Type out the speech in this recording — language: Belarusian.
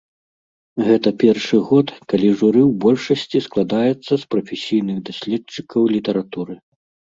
Гэта першы год, калі журы ў большасці складаецца з прафесійных даследчыкаў літаратуры.